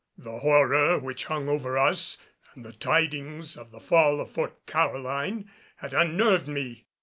The horror which hung over us and the tidings of the fall of Fort Caroline had unnerved me.